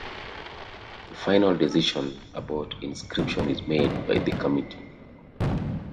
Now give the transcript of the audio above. The final decision about inscription is made by the committee.